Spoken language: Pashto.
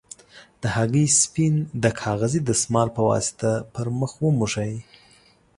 د هګۍ سپین د کاغذي دستمال په واسطه پر مخ وموښئ.